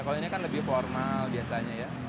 kalau ini kan lebih formal biasanya ya